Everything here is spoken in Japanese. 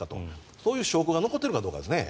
そういう証拠が残っているかですね。